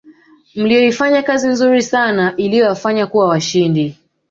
mliyoifanya kazi nzuri sana iliyowafanya kuwa washindi